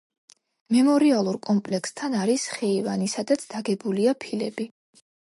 მემორიალურ კომპლექსთან არის ხეივანი, სადაც დაგებულია ფილები.